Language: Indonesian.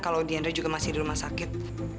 kalau diandra juga masih di rumah sakit